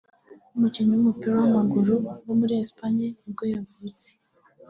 umukinnyi w’umupira w’amaguru wo muri Espagne nibwo yavutse